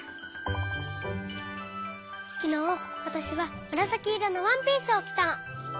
きのうわたしはむらさきいろのワンピースをきたの。